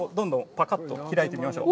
ぱかっと開いてみましょう。